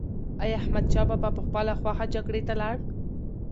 ایا احمدشاه بابا په خپله خوښه جګړې ته لاړ؟